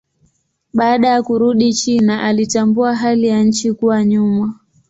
Baada ya kurudi China alitambua hali ya nchi kuwa nyuma.